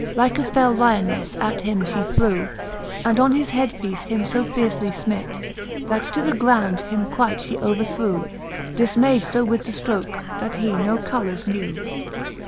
Like a fell lionefle at him fhe flew, And on his head peece him fb fiercely frnit, That to the ground him quite fhe overthrew, Difmayd fb with the ftroke, that he no colours knew, XL.